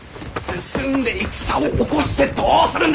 進んで戦を起こしてどうするんです？